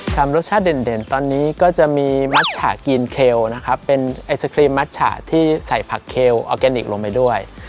รสชาติเด่นตอนนี้ก็จะมีมัชฉะกีนเคลนะครับเป็นไอศครีมมัชฉะที่ใส่ผักเคลออร์แกนิคลงไปด้วย